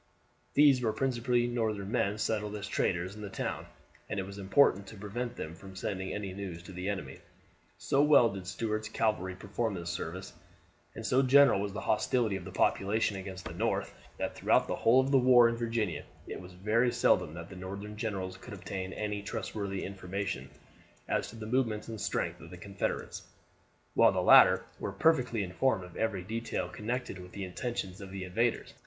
These were principally Northern men settled as traders in the towns, and it was important to prevent them from sending any news to the enemy. So well did Stuart's cavalry perform this service, and so general was the hostility of the population against the North, that throughout the whole of the war in Virginia it was very seldom that the Northern generals could obtain any trustworthy information as to the movements and strength of the Confederates, while the latter were perfectly informed of every detail connected with the intentions of the invaders.